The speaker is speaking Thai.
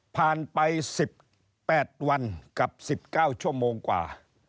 ผ่านไป๑๘วันกับ๑๙ชั่วโมงกว่า